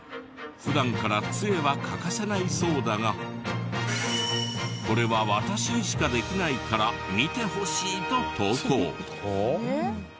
普段から杖は欠かせないそうだがこれは私にしかできないから見てほしいと投稿。